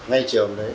ngay chiều hôm đấy